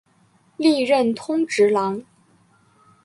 历任通直郎。